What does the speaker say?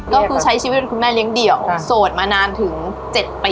ก็คือใช้ชีวิตเป็นคุณแม่เลี้ยงเดี่ยวโสดมานานถึง๗ปี